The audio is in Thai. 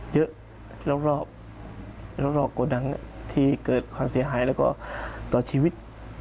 เยอะรอบรอบโกดังที่เกิดความเสียหายแล้วก็ต่อชีวิต